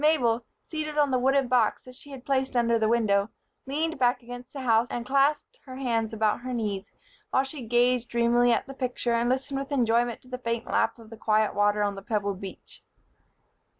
Mabel, seated on the wooden box that she had placed under the window, leaned back against the house and clasped her hands about her knees, while she gazed dreamily at the picture and listened with enjoyment to the faint lap of the quiet water on the pebbled beach.